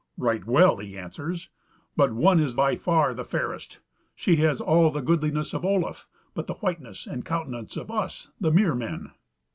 "Right well," he answers, "but one is by far the fairest; she has all the goodliness of Olaf, but the whiteness and the countenance of us, the Mere men."